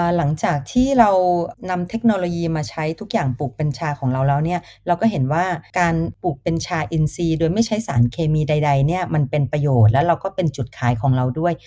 หลังจากที่เรานำเทคโนโลยีมาใช้ทุกอย่างปลูกเป็นชาของเราแล้วเนี่ยเราก็เห็นว่าการปลูกเป็นชาอินซีโดยไม่ใช้สารเคมีใดเนี่ยมันเป็นประโยชน์แล้วเราก็เป็นจุดขายของเราด้วย